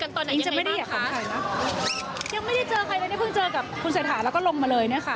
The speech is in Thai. ยังไม่ได้เจอใครแล้วเนี่ยเพิ่งเจอกับคุณเศรษฐาแล้วก็ลงมาเลยเนี่ยค่ะ